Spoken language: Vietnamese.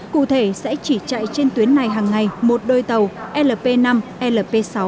cụ thể sẽ chỉ chạy trên tuyến này hàng ngày một đôi tàu lp năm lp sáu